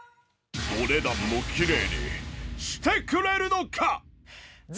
お値段もきれいにしてくれるのか？